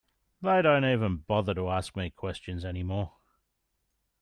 They don't even bother to ask me questions any more.